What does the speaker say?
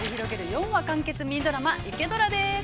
４話完結ミニドラマ「イケドラ」です。